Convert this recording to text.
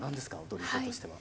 踊り手としては。